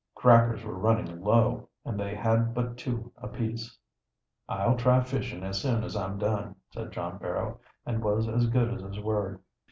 Crackers were running low, and they had but two apiece. "I'll try fishing as soon as I'm done," said John Barrow, and was as good as his word.